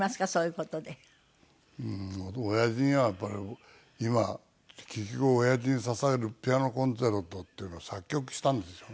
うーんおやじにはやっぱり今結局「おやじに捧げるピアノコンチェルト」っていうのを作曲したんですよ。